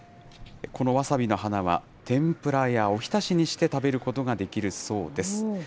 このわさびの花は、天ぷらやおひたしにして食べることができるそうです。